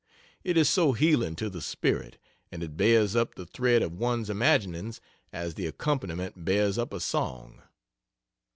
It is so healing to the spirit; and it bears up the thread of one's imaginings as the accompaniment bears up a song.